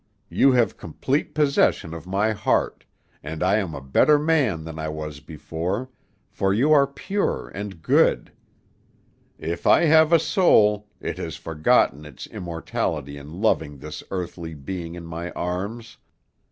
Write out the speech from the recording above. You have complete possession of my heart, and I am a better man than I was before, for you are pure and good; if I have a soul, it has forgotten its immortality in loving this earthy being in my arms.